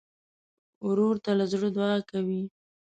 ورور ته له زړه دعا کوې.